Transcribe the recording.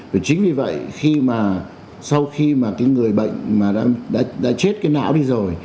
và chính vì vậy khi mà sau khi mà cái người bệnh mà đã chết cái não đi rồi